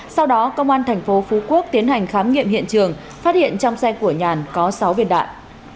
sau đó công an thành phố phú quốc tiến hành khám nghiệm hiện trường phát hiện trong xe của nhàn có sáu viên đạn